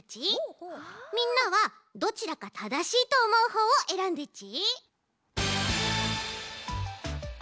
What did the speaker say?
みんなはどちらかただしいとおもうほうをえらんでち。